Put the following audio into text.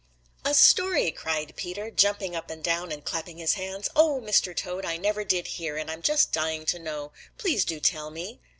"A story!" cried Peter, jumping up and down and clapping his hands. "Oh, Mr. Toad, I never did hear, and I'm just dying to know. Please do tell me!"